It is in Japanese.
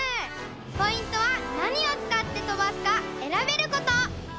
ポイントはなにをつかってとばすかえらべること！